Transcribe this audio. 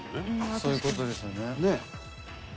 そういう事ですよね。